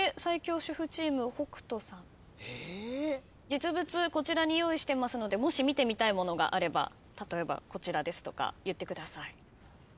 実物こちらに用意してますのでもし見てみたいものがあれば例えばこちらですとか言ってください。